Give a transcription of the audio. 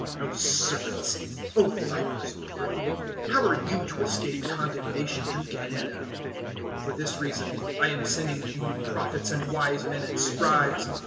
023:033 O serpents, O vipers' brood, how are you to escape condemnation to Gehenna? 023:034 "For this reason I am sending to you Prophets and wise men and Scribes.